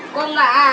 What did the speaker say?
kok gak ada